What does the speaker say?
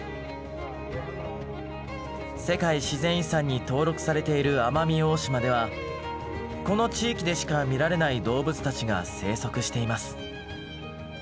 世界自然遺産に登録されている奄美大島ではこの地域でしか見られない動物たちが生息しています。